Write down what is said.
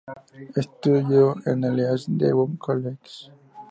Estudió en el East Devon College.